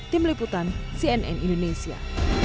tim liputan cnn indonesia